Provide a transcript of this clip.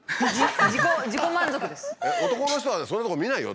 男の人はそんなとこ見ないよ